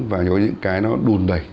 và có những cái nó đùn đẩy